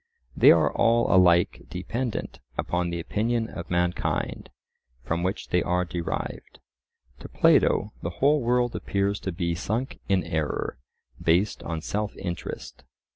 They are all alike dependent upon the opinion of mankind, from which they are derived. To Plato the whole world appears to be sunk in error, based on self interest.